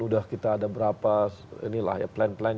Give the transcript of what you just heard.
udah kita ada berapa inilah ya plan plan